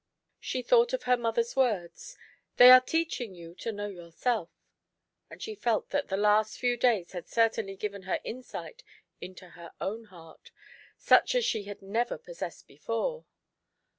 She thought of her mother s words, " They are teaching you to know your self;" and she felt that the last few days had certainly given her insight into her own heart, such as she had never possessed before.